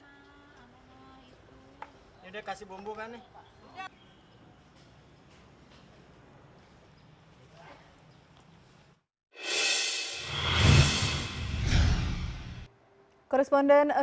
koresponden ruli kurniawan berada di kawasan cipinang jakarta